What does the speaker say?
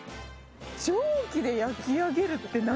「蒸気で焼きあげる」って何？